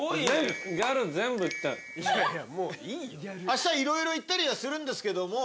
あした色々行ったりはするんですけども。